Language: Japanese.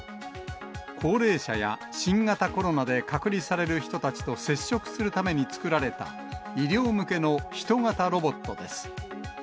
高齢者や新型コロナで隔離される人たちと接触するために作られた、医療向けの人型ロボットです。